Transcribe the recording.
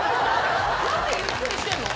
何でゆっくりしてんの？